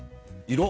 色？